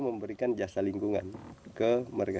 memberikan jasa lingkungan ke mereka